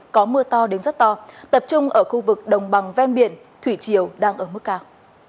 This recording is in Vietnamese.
có mưa to đến rất to tập trung ở khu vực đồng bằng ven biển thủy triều đang ở mức cao